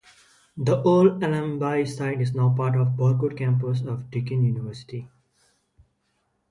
The old Allambie site is now part of the Burwood campus of Deakin University.